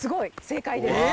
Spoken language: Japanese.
正解です。